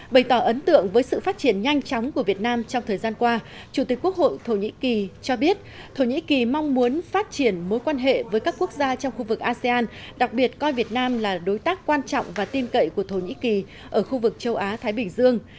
bày tỏ ấn tượng với sự phát triển nhanh chóng của việt nam trong thời gian qua chủ tịch quốc hội thổ nhĩ kỳ cho biết thổ nhĩ kỳ mong muốn phát triển mối quan hệ với các quốc gia trong khu vực asean đặc biệt coi việt nam là đối tác quan trọng và tin cậy của thổ nhĩ kỳ ở khu vực châu á thái bình dương